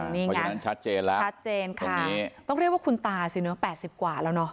นี่ไงนั้นชัดเจนแล้วชัดเจนค่ะต้องเรียกว่าคุณตาสิเนอะ๘๐กว่าแล้วเนอะ